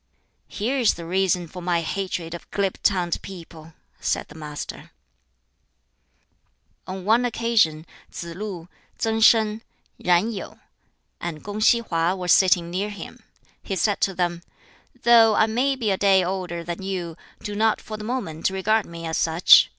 "Here is the reason for my hatred of glib tongued people," said the Master. On one occasion Tsz lu, Tsang Sin, Yen Yu, and Kung si Hwa were sitting near him. He said to them, "Though I may be a day older than you, do not (for the moment) regard me as such.